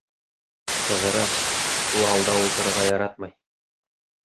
— Ҡыҙырас, ул алда ултырырға яратмай.